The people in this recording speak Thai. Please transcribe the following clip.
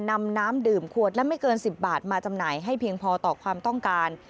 นำน้ำดื่มขวดละไม่เกิน๑๐บาทมาจำหน่ายให้เพียงพอต่อความต้องการ